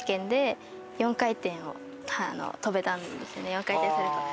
４回転サルコーを。